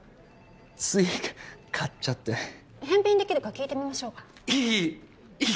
つい買っちゃって返品できるか聞いてみましょうかいいいい！